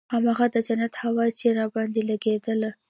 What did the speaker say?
هماغه د جنت هوا چې راباندې لګېدله.